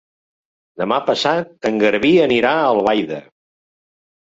Demà passat en Garbí anirà a Albaida.